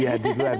iya di luar